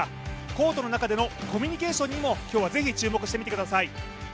コートの中でのコミュニケーションにも今日はぜひ注目してみてください。